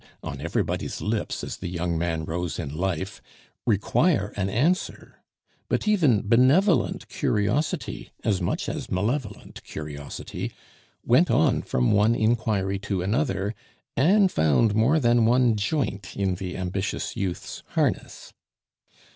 on everybody's lips as the young man rose in life, require an answer, but even benevolent curiosity as much as malevolent curiosity went on from one inquiry to another, and found more than one joint in the ambitious youth's harness.